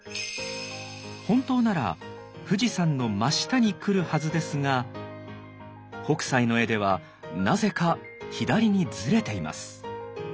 本当なら富士山の真下に来るはずですが北斎の絵ではなぜか左にずれています。